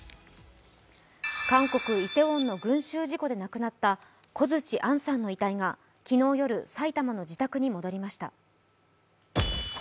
韓国イテウォンの群集事故で亡くなった小槌杏さんの遺体が昨日夜埼玉の自宅に戻りました。